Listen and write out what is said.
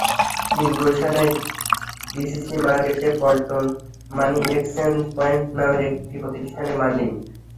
তিনি গুলশানের ডিসিসি মার্কেটে পল্টন মানি এক্সচেঞ্জ পয়েন্ট নামের একটি প্রতিষ্ঠানের মালিক।